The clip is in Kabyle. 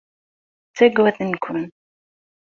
Ttagaden-ken.